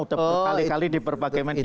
untuk berkali kali diperbagi menit